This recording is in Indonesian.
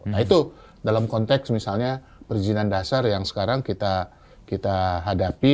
nah itu dalam konteks misalnya perizinan dasar yang sekarang kita hadapi